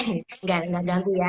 enggak enggak ganggu ya